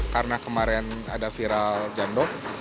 karena kemarin ada viral jandol